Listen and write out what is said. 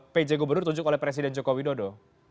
pj gubernur ditunjuk oleh presiden joko widodo